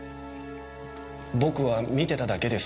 僕は見てただけです。